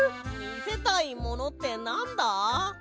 みせたいものってなんだ？